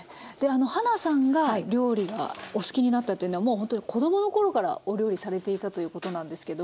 はなさんが料理がお好きになったっていうのはもうほんとに子供の頃からお料理されていたということなんですけど。